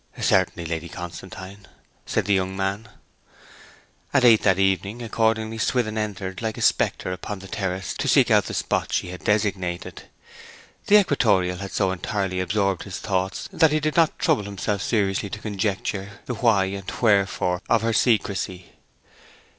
'Certainly, Lady Constantine,' said the young man. At eight that evening accordingly, Swithin entered like a spectre upon the terrace to seek out the spot she had designated. The equatorial had so entirely absorbed his thoughts that he did not trouble himself seriously to conjecture the why and wherefore of her secrecy.